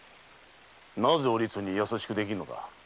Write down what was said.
なぜお律殿に優しくできんのだ？